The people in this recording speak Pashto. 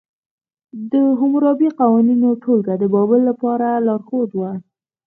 حموربي د قوانینو ټولګه د بابل لپاره لارښود وه.